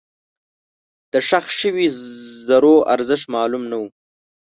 دښخ شوي زرو ارزښت معلوم نه و.